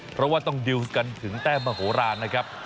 เพราะว่าต้องดิวส์กันถึงแต้มมโหลานนะครับ